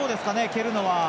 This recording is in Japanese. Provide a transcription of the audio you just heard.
蹴るのは。